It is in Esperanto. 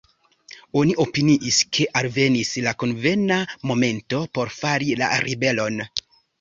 Oni opiniis, ke alvenis la konvena momento por fari la ribelon.